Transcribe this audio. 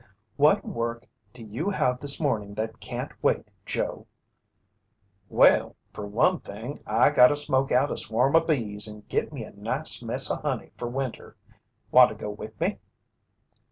"What work do you have this morning that can't wait, Joe?" "Well, fer one thing I gotta smoke out a swarm o' bees and git me a nice mess o' honey fer winter. Want to go with me?"